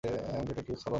আমি detective Solomon.